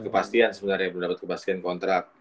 kepastian sebenernya belum dapet kepastian kontrak